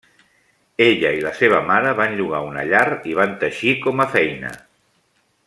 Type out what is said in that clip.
Ella i la seva mare van llogar una llar i van teixir com a feina.